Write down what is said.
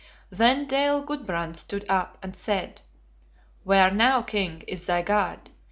"Then Dale Gudbrand stood up and said, 'Where now, king, is thy God?